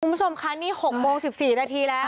คุณผู้ชมคะนี่๖โมง๑๔นาทีแล้ว